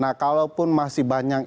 nah kalaupun masih banyak